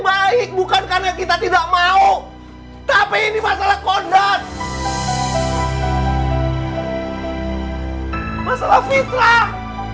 baik bukan karena kita tidak mau tapi ini masalah kodat masalah fitnah